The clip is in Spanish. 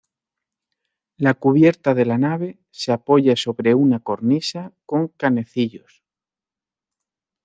La cubierta de la nave se apoya sobre una "cornisa" con "canecillos".